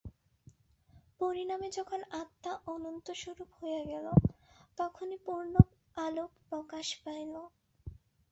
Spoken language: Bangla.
পরিণামে যখন আত্মা অনন্তস্বরূপ হইয়া গেল, তখনই পূর্ণ আলোক প্রকাশ পাইল।